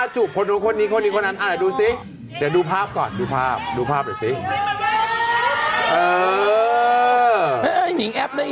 จูบคนคนคนอันก็ดูซิ